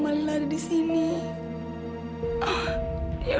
ini terakhir kali